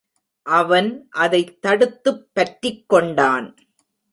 அவன் அதைத் தடுத்துப் பற்றிக்கொண்டான்.